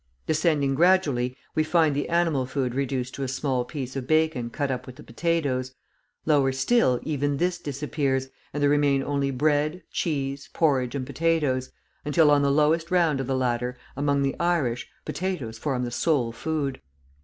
Descending gradually, we find the animal food reduced to a small piece of bacon cut up with the potatoes; lower still, even this disappears, and there remain only bread, cheese, porridge, and potatoes, until on the lowest round of the ladder, among the Irish, potatoes form the sole food.